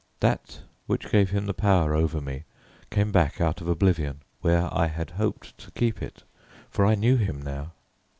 That which gave him the power over me came back out of oblivion, where I had hoped to keep it. For I knew him now.